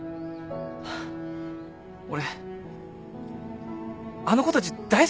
俺あの子たち大好きだからさ。